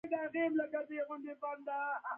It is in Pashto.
په انصاف خرڅول عبادت دی.